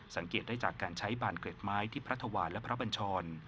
สังเกตได้จากการใช้บานเกร็ดไม้ที่พระธวารและพระบัญชร